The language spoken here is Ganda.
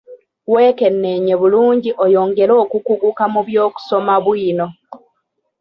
Wekenneenye bulungi oyongere okukuguka mu by'okusoma bwino.